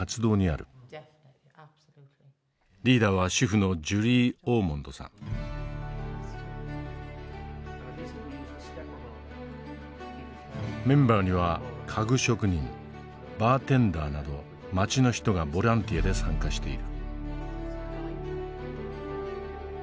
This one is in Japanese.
リーダーは主婦のメンバーには家具職人バーテンダーなど町の人がボランティアで参加している。